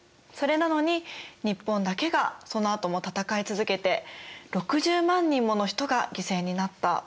それなのに日本だけがそのあとも戦い続けて６０万人もの人が犠牲になった。